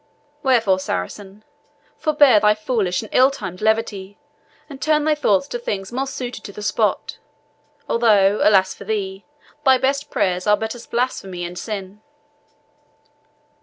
Wherefore, Saracen, forbear thy foolish and ill timed levity, and turn thy thoughts to things more suited to the spot although, alas for thee! thy best prayers are but as blasphemy and sin."